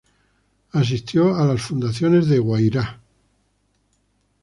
Asistió a las fundaciones de Guayrá.